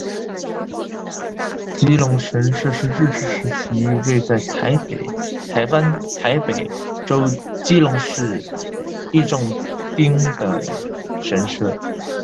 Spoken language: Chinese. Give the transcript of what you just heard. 基隆神社是日治时期位在台湾台北州基隆市义重町的神社。